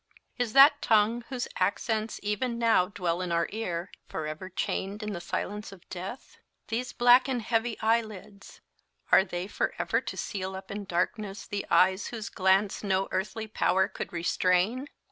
Is that tongue, whose accents even now dwell in our ear, forever chained in the silence of death? These black and heavy eyelids, are they for ever to seal up in darkness the eyes whose glance no earthly power could restrain?